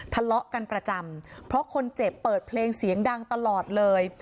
ทะเลาะกันประจำเพราะคนเจ็บเปิดเพลงเสียงดังตลอดเลย